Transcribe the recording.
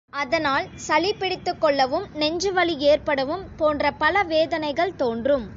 அதனால் சளி பிடித்துக் கொள்ளவும், நெஞ்சு வலி ஏற்படவும் போன்ற பல வேதனைகள் தோன்றும்.